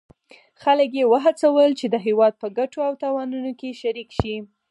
خلک یې وهڅول چې د هیواد په ګټو او تاوانونو کې شریک شي.